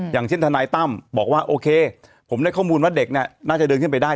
อย่างเช่นทนายตั้มบอกว่าโอเคผมได้ข้อมูลว่าเด็กเนี่ยน่าจะเดินขึ้นไปได้